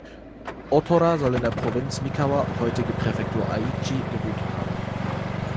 Otora soll in der Provinz Mikawa (heutige Präfektur Aichi) gewütet haben.